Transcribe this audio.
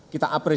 kita akan cari